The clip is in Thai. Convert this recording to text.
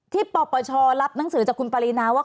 ที่ปรปชรับหนังสือพี่ปรินาว่า